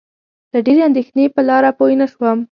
له ډېرې اندېښنې په لاره پوی شوی نه یم.